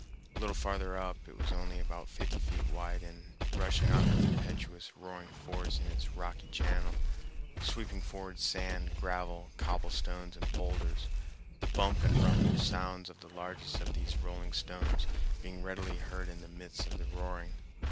A little farther up it was only about fifty feet wide and rushing on with impetuous roaring force in its rocky channel, sweeping forward sand, gravel, cobblestones, and boulders, the bump and rumble sounds of the largest of these rolling stones being readily heard in the midst of the roaring.